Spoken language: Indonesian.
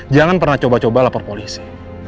jangan pernah coba coba lapor polisi